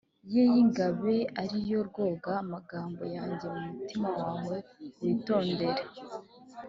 Ye y ingabe ari yo rwoga amagambo yanjye mu mutima wawe witondere